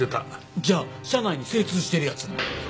じゃあ社内に精通してるやつが。